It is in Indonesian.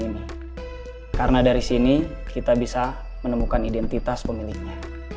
ini karena dari sini kita bisa menemukan identitas pemiliknya